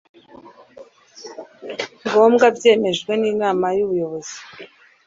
ngombwa byemejwe n inama y ubuyobozi